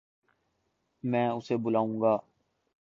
میں اسے بلاوں گا